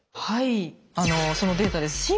はいそのデータです。